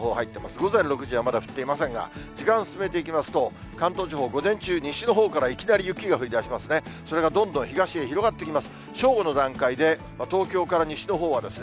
午前６時はまだ降っていませんが、時間進めていきますと、関東地方、午前中、西のほうからいきなり雪が降りだしますね。